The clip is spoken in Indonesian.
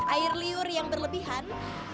air liur yang berlebihan